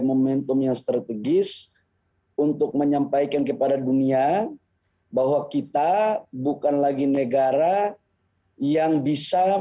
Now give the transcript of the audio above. momentum yang strategis untuk menyampaikan kepada dunia bahwa kita bukan lagi negara yang bisa